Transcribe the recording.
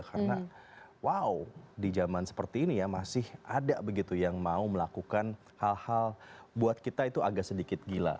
karena wow di zaman seperti ini ya masih ada begitu yang mau melakukan hal hal buat kita itu agak sedikit gila